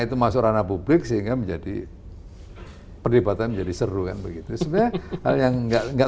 itu masuk ranah publik sehingga menjadi perdebatan menjadi seru kan begitu sebenarnya hal yang enggak enggak